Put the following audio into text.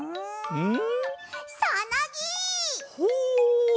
うん？